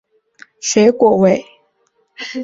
找到散发出的香甜水果味！